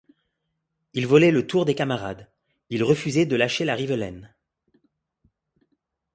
Il volait le tour des camarades, il refusait de lâcher la rivelaine.